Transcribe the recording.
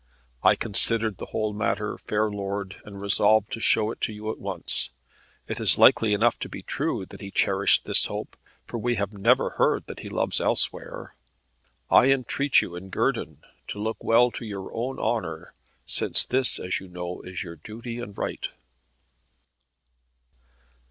I considered the whole matter, fair lord, and resolved to show it you at once. It is likely enough to be true that he cherished this hope, for we have never heard that he loves elsewhere. I entreat you in guerdon, to look well to your own honour, since this, as you know, is your duty and right."